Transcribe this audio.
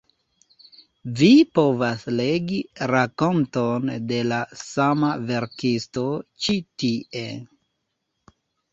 Vi povas legi rakonton de la sama verkisto ĉi tie.